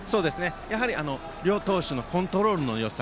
やはり両投手のコントロールのよさ。